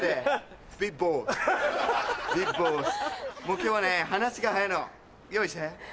今日はね話が早いの用意して。